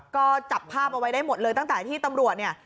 ก็จับภาพเอาไว้ได้หมดเลยตั้งแต่ที่ตำรวจเนี่ย